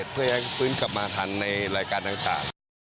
เพื่อยังฟื้นกลับมาทันในรายการต่าง